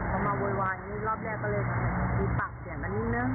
พอมาโวยวายอย่างนี้รอบแรกก็เลยมีปากเสียงกันนิดนึง